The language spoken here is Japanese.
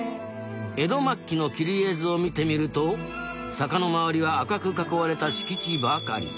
江戸末期の切絵図を見てみると坂の周りは赤く囲われた敷地ばかり。